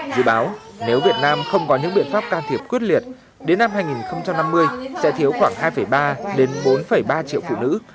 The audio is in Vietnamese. dự báo nếu việt nam không có những biện pháp can thiệp quyết liệt đến năm hai nghìn năm mươi sẽ thiếu khoảng hai ba đến bốn ba triệu phụ nữ